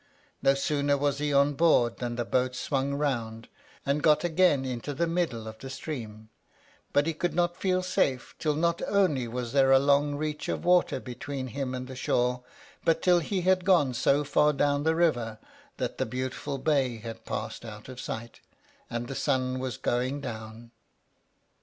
No sooner was he on board than the boat swung round, and got out again into the middle of the stream; but he could not feel safe till not only was there a long reach of water between him and the shore, but till he had gone so far down the river that the beautiful bay had passed out of sight, and the sun was going down.